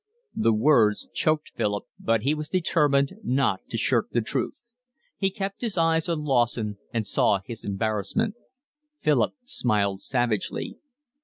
The words choked Philip, but he was determined not to shirk the truth. He kept his eyes on Lawson and saw his embarrassment. Philip smiled savagely.